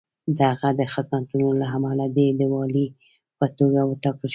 د هغه د خدمتونو له امله دی د والي په توګه وټاکل شو.